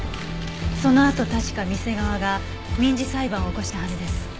そのあと確か店側が民事裁判を起こしたはずです。